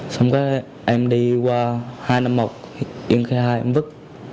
xong rồi em đi qua hai trăm năm mươi một yên khê hai em vứt